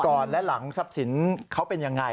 ก่อนและหลังทรัพย์สินเขาเป็นยังไง